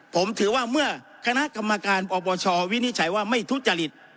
ผมถือว่าเมื่อคณะกรรมการปปชวินิจฉัยว่าไม่ทุจริต